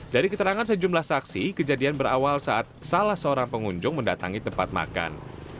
dari keterangan sejumlah saksi kejadian berawal saat salah seorang pengunjung mendatangi tempat makan